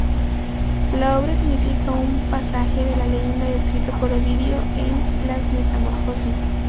La obra escenifica un pasaje de la leyenda descrito por Ovidio en "Las metamorfosis".